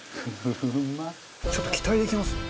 ちょっと期待できますね！